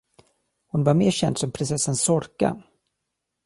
Hon var mer känd som prinsessan Zorka.